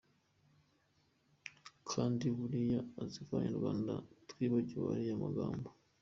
Kandi buriya azi ko abanyarwanda twibagiwe ariya magambo!!!